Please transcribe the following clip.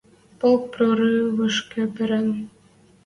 Полк прорывышкы пырен.